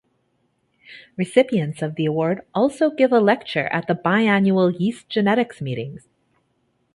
Recipients of the award also give a lecture at the biennial Yeast Genetics Meeting.